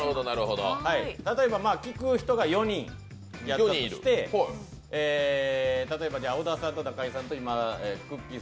例えば、聞く人が４人やったとして例えば織田さんと中井さんとくっきー！